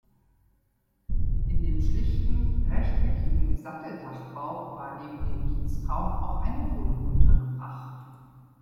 In dem schlichten, rechteckigen Satteldachbau war neben dem Dienstraum auch eine Wohnung untergebracht.